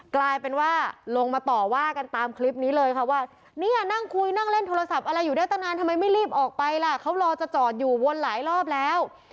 กลายเป็นว่าลงมาต่อว่ากันตามคลิปนี้เลยค่ะว่าเนี่ยนั่งคุยนั่งเล่นโทรศัพท์อะไรอยู่ได้ตั้งนานทำไมไม่รีบออกไปล่ะเขารอจะจอดอยู่วนหลายรอบแล้ว